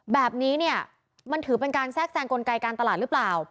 แบบนี้เนี่ยมันถือเป็นการแทรกแซงกลไกการตลาดหรือเปล่า